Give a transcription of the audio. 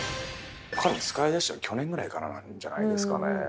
彼も使いだしたの去年ぐらいからなんじゃないですかね。